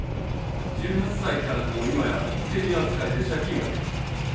１８歳からでも今や成人扱いで借金ができる。